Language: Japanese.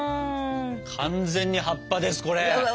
完全に葉っぱですこれ。